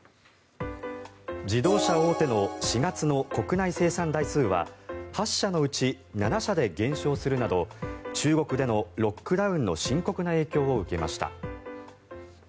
自動車大手の４月の国内生産台数は８社のうち７社で減少するなど中国でのロックダウンの深刻な影響を受けました。